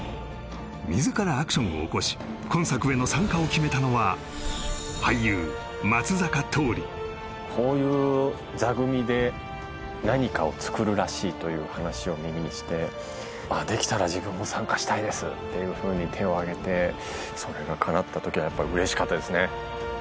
自らアクションを起こし今作への参加を決めたのは俳優こういう座組で何かを作るらしいという話を耳にしてできたら自分も参加したいですっていうふうに手を挙げてそれがかなったときはやっぱ嬉しかったですね